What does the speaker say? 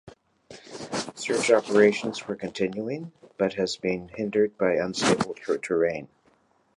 Search operations were continuing but has been hindered by unstable terrain.